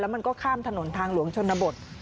มันก็ข้ามถนนทางหลวงชนบท